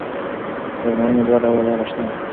د درملنې دوه ډوله لاره شته.